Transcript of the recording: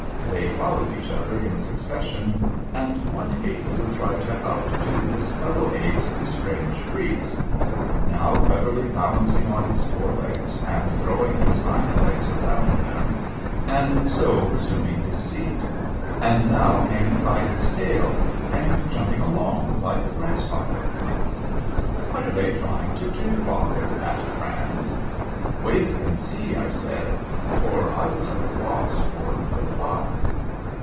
They fol lowed each other in succession, and one ape would try to outdo his fellow apes in strange freaks ; now cleverly balancing on his fore legs, and throwing his hind legs around them, and so resuming his seat ; and now hanging by his tail, and jumping along like a grasshopper. " What are they trying to do, father ?" asked Franz. " Wait and see," I said, for I was at a loss for a reply.